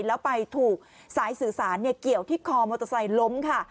แล้วไปถูกสายสื่อสารเกี่ยวที่คอมอเตอร์ไซค์ล้มค่ะ